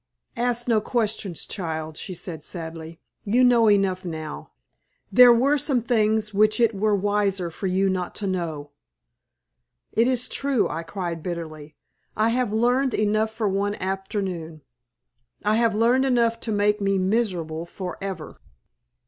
"Ask no questions, child," she said, sadly. "You know enough now. There were some things which it were wiser for you not to know." "It is true," I cried, bitterly. "I have learned enough for one afternoon I have learned enough to make me miserable forever."